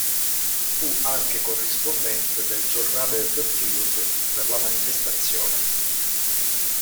Fu anche corrispondente del giornale "The Field" per la manifestazione.